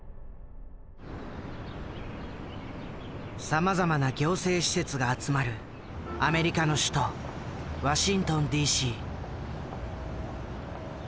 さまざまな行政施設が集まるアメリカの首都ワシントンＤ．Ｃ．。